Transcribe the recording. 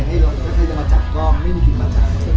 ที่หมายถึงว่า